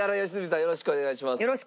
よろしくお願いします。